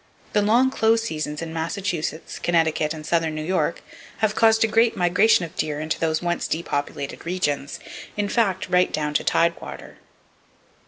The long [Page 173] close seasons in Massachusetts, Connecticut and southern New York have caused a great migration of deer into those once depopulated regions,—in fact, right down to tide water.